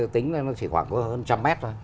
tính ra nó chỉ khoảng hơn trăm mét thôi